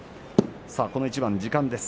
この一番、時間です。